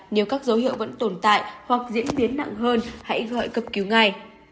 nếu các dấu hiệu vẫn tồn tại hoặc diễn biến nặng hơn hãy gọi cấp cứu ngay